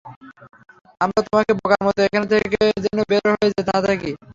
আমরা তোমাকে বোকার মত এখানে থেকে যেন বের হয়ে যেতে না দেখি।